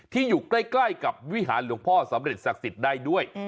อยู่ใกล้กับวิหารหลวงพ่อสำเร็จศักดิ์สิทธิ์ได้ด้วย